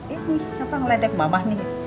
ibu kenapa ngeledek mamah nih